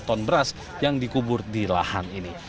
satu ton beras yang dikubur di lahan ini